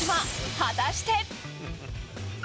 果たして。